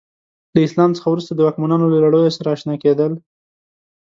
له اسلام څخه وروسته د واکمنانو له لړیو سره اشنا کېدل.